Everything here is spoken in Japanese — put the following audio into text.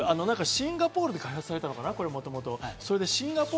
シンガポールで開発されたのかな？